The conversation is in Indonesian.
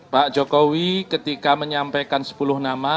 pak jokowi ketika menyampaikan sepuluh nama